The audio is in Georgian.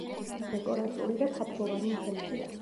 დეკორატიული და თაფლოვანი მცენარეა.